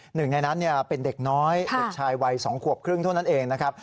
หนึ่งในนั้นเป็นเด็กน้อยเด็กชายวัย๒ขวบครึ่งเท่านั้นเองนะครับ